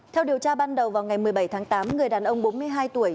theo điều tra ban đầu vào ngày một mươi bảy tháng tám người đàn ông bốn mươi hai tuổi